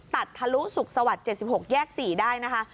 ตัดทะลุสุขสวรรค์๗๖แยก๔ได้นะคะ